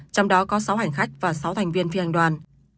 trong đó có sáu hành khách và sáu thành viên phi hành đoàn